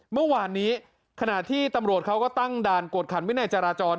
เมื่อวานนี้ขณะที่ตำรวจเขาก็ตั้งด่านกวดขันวินัยจราจร